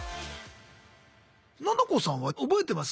ななこさんは覚えてます？